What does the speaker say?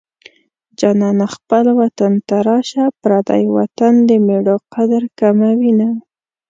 جانانه خپل وطن ته راشه پردی وطن د مېړو قدر کموينه